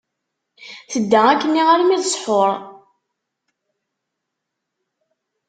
Tedda akkenni armi d ṣṣḥur.